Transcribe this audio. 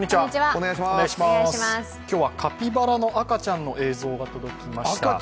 今日はカピバラの赤ちゃんの映像が届きました。